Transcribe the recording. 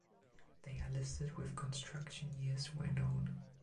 They are listed with construction years where known.